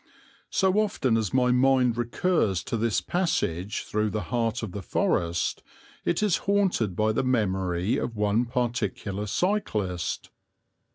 So often as my mind recurs to this passage through the heart of the Forest it is haunted by the memory of one particular cyclist.